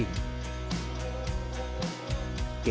kek ketam dan sambiki